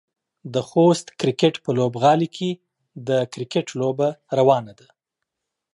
د خوست کرکټ په لوبغالي کې د کرکټ لوبه روانه ده.